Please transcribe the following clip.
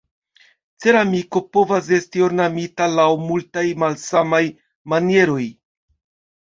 Ceramiko povas esti ornamita laŭ multaj malsamaj manieroj.